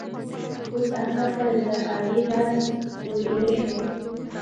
اوس احمد ته د علي لاس ور ايله شو.